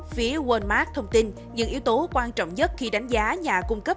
phía walmart thông tin những yếu tố quan trọng nhất khi đánh giá nhà cung cấp